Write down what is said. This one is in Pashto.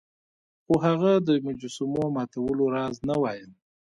خو هغه د مجسمو ماتولو راز نه وایه.